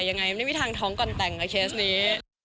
ยังไงไม่มีทางท้องก่อนแต่งกับเคสนี้